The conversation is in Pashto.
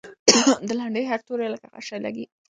د لنډۍ هر توری لکه غشی لګي.